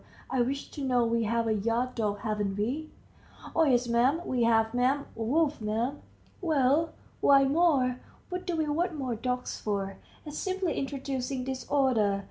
I wish to know. We have a yard dog, haven't we?" "Oh yes, 'm, we have, 'm. Wolf, 'm." "Well, why more? what do we want more dogs for? It's simply introducing disorder.